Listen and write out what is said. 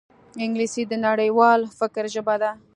انګلیسي د نړیوال فکر ژبه ده